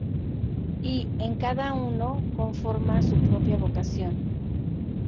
Y, en cada uno, conforma a su propia vocación.